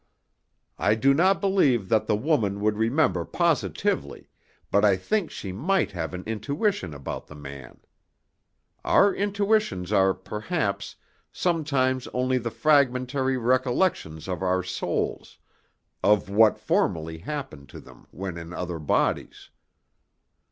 "I do not believe that the woman would remember positively, but I think she might have an intuition about the man. Our intuitions are, perhaps, sometimes only the fragmentary recollections of our souls, of what formerly happened to them when in other bodies.